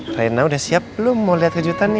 reina sudah siap belum mau lihat kejutan ya